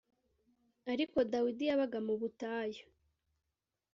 Ariko Dawidi yabaga mu butayu